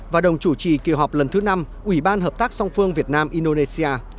và đồng chủ trì kỳ họp lần thứ năm ủy ban hợp tác song phương việt nam indonesia